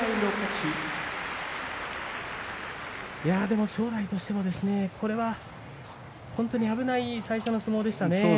でも正代としても、これは本当に危ない最初の相撲でしたね。